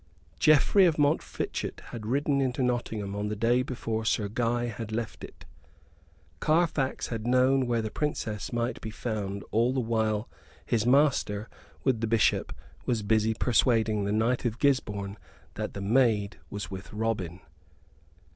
Geoffrey of Montfichet had ridden into Nottingham on the day before Sir Guy had left it. Carfax had known where the Princess might be found all the while his master, with the Bishop, was busy persuading the Knight of Gisborne that the maid was with Robin.